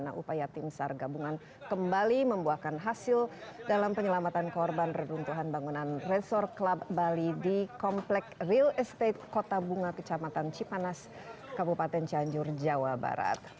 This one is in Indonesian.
nah upaya tim sar gabungan kembali membuahkan hasil dalam penyelamatan korban reruntuhan bangunan resor club bali di komplek real estate kota bunga kecamatan cipanas kabupaten cianjur jawa barat